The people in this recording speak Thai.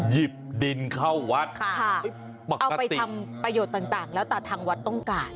หยิบดินเข้าวัดเอาไปทำประโยชน์ต่างแล้วแต่ทางวัดต้องการ